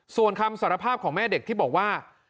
ส่วนคำสารภาพของแม่เด็กที่บอกว่า